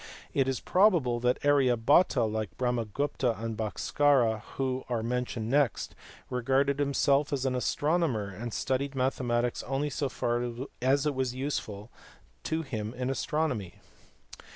It is probable that Arya Bhata, like Brahmagupta and Bhaskara who are mentioned next, regarded himself as an astronomer, and studied mathematics only so far as it was useful to him in his astronomy.